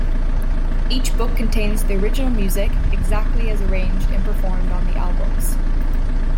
Each book contains the original music, exactly as arranged and performed on the albums.